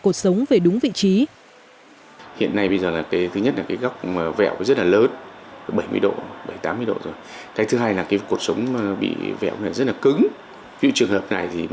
cuộc sống về đúng vị trí